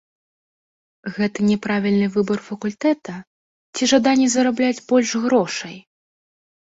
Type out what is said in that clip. Гэта няправільны выбар факультэта, ці жаданне зарабляць больш грошай?